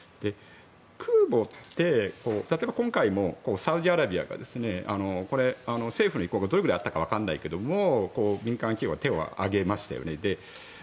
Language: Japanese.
空母って、例えば今回もサウジアラビアが政府の意向がどれくらいあったかわからないけれど民間企業が手を上げましたよね。